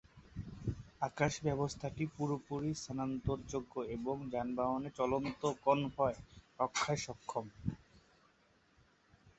আকাশ ব্যবস্থাটি পুরোপুরি স্থানান্তর যোগ্য এবং যানবাহনের চলন্ত কনভয় রক্ষায় সক্ষম।